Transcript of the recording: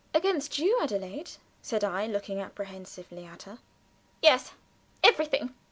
"Against you, Adelaide?" said I, looking apprehensively at her. "Yes, everything!"